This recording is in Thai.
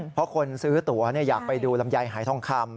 เพราะคนซื้อตัวอยากไปดูลำไยหายทองคำ